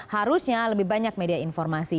harusnya lebih banyak media informasi